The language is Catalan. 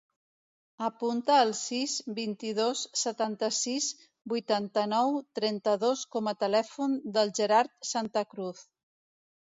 Apunta el sis, vint-i-dos, setanta-sis, vuitanta-nou, trenta-dos com a telèfon del Gerard Santa Cruz.